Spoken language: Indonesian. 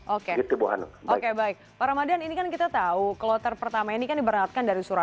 oke pak ramadan ini kan kita tahu kloter pertama ini kan diberangkatkan dari surabaya